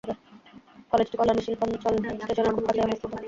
কলেজটি কল্যাণী শিল্পাঞ্চল স্টেশনের খুব কাছেই অবস্থিত।